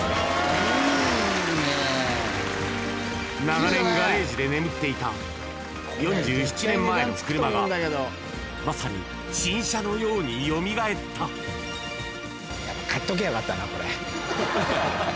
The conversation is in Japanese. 長年ガレージで眠っていた４７年前の車がまさに新車のようによみがえった買っときゃよかったなこれ。